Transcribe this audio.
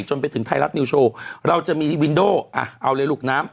จนถึงไทยรัฐนิวโชว์เราจะมีวินโดอ่ะเอาเลยลูกน้ำ